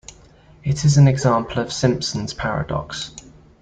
It is an example of Simpson's paradox.